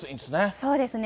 そうですね。